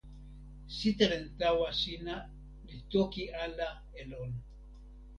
sitelen tawa sina li toki ala e lon.